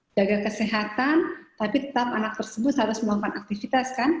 jaga kesehatan tapi tetap anak tersebut harus melakukan aktivitas kan